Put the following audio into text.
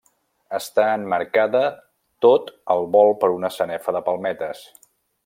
Està emmarcada tot al volt per una sanefa de palmetes.